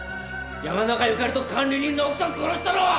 山中由佳里と管理人の奥さんを殺したのは！